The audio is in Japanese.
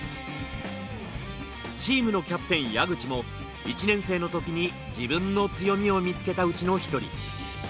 チームのキャプテン谷口も１年生のときに自分の強みを見つけたうちの１人。